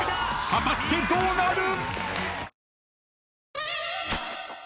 果たしてどうなる？］